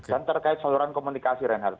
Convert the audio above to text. dan terkait saluran komunikasi renhard